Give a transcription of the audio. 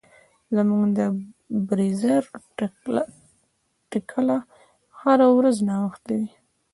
زموږ د بریځر ټکله هره ورځ ناوخته وي.